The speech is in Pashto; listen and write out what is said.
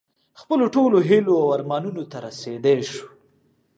خپلو ټولو هیلو او ارمانونو ته رسېدی شو.